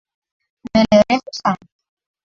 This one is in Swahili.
Nywele refu sana.